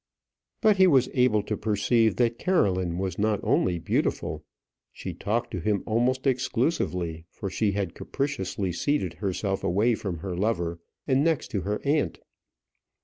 But he was able to perceive that Caroline was not only beautiful. She talked to him almost exclusively, for she had capriciously seated herself away from her lover, and next to her aunt.